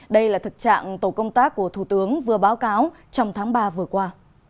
đây là thực trạng tổ công tác của thủ tướng vừa báo cáo trong tháng ba vừa qua